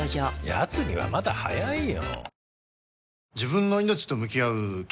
やつにはまだ早いよ。